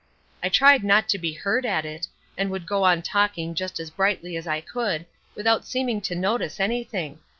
I tried not to be hurt at it, and would go on talking just as brightly as I could, without seeming to notice anything.